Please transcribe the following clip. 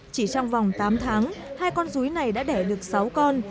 chỉ trong vòng tám tháng hai con rúi này đã đẻ được sáu con